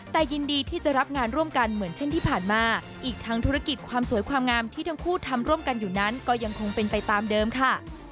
แต่ยินดีที่จะรับงานร่วมกันเหมือนเช่นที่ผ่านมาอีกทั้งธุรกิจความสวยความงามที่ทั้งคู่ทำร่วมกันอยู่นั้นก็ยังคงเป็นไปตามเดิมค่ะ